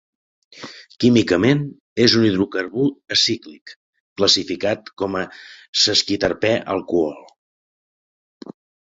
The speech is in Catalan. Químicament és un hidrocarbur acíclic, classificat com a sesquiterpè alcohol.